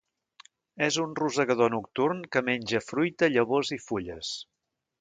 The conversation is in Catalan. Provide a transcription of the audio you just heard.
És un rosegador nocturn que menja fruita, llavors i fulles.